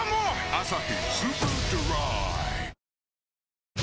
「アサヒスーパードライ」